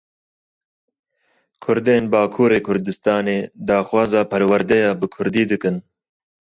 Kurdên Bakurê Kurdistanê daxwaza perwerdeya bi kurdî dikin.